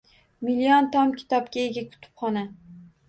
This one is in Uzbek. Million tom kitobga ega kutubxona.